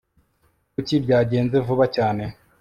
Kuki byagenze vuba cyane